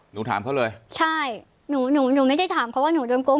หนูถามเขาเลยใช่หนูหนูไม่ได้ถามเขาว่าหนูโดนโกง